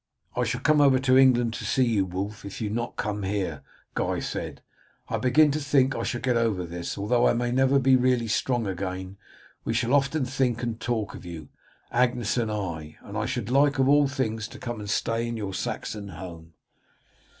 "I shall come over to England to see you, Wulf, if you come not here," Guy said. "I begin to think that I shall get over this, although I may never be really strong again. We shall often think and talk of you, Agnes and I; and I should like, of all things, to come and stay in your Saxon home."